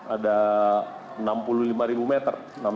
ada enam puluh lima meter